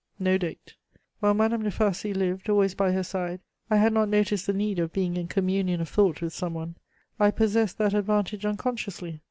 (No date.) "While Madame de Farcy lived, always by her side, I had not noticed the need of being in communion of thought with some one. I possessed that advantage unconsciously.